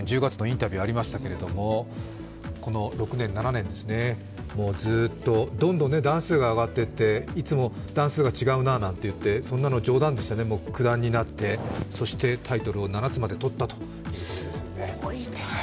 先ほどの２０１６年１０月のインタビューがありましたけどもこの６年、７年、ずっとどんどん段数が上がっていっていつも段数が違うななんていって、そんな冗談を言って、もう九段になって、そしてタイトルを７つまでとったと。